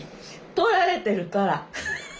撮られてるから？